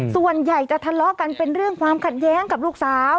ส่วนใหญ่จะทะเลาะกันเป็นเรื่องความขัดแย้งกับลูกสาว